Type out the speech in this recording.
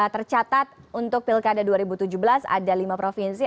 tercatat untuk pilkada dua ribu tujuh belas ada lima provinsi